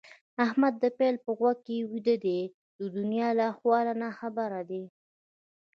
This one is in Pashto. احمد د پيل په غوږ کې ويده دی؛ د دونيا له احواله ناخبره دي.